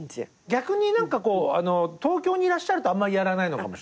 逆に東京にいらっしゃるとあまりやらないのかもしれない。